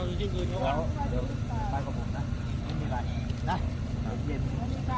นี้กับผมนะ